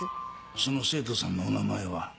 その生徒さんのお名前は？